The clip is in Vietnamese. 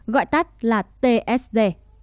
gọi tắt là tsd